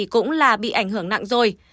cũng là bị ảnh hưởng nặng rồi